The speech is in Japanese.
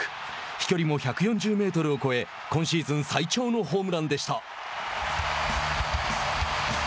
飛距離も１４０メートルを超え今シーズン最長のホームランでした。